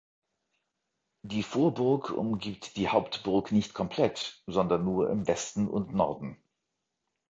Die Vorburg umgibt die Hauptburg nicht komplett, sondern nur im Westen und Norden.